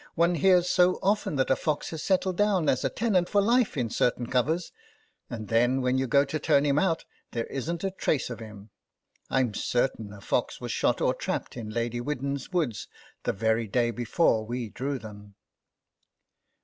One hears so often that a fox has settled down as a tenant for life in certain 8o THE BAG covers, and then when you go to turn him out there isn't a trace of him. Tm certain a fox was shot or trapped in Lady Widden's woods the very day before we drew them."